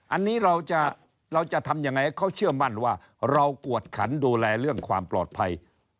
อันนี้เราจะทำยังไงให้เขาเชื่อมั่นว่าเรากวดขันดูแลเรื่องความปลอดภัย